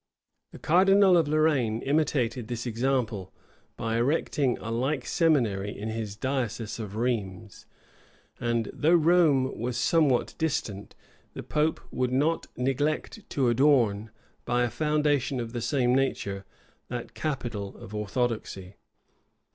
The cardinal of Lorraine imitated this example, by erecting a like seminary in his diocese of Rheims; and though Rome was somewhat distant, the pope would not neglect to adorn, by a foundation of the same nature, that capital of orthodoxy.